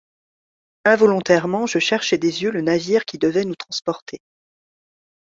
Involontairement je cherchai des yeux le navire qui devait nous transporter.